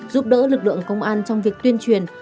giúp đỡ lực lượng công an trong việc tuyên truyền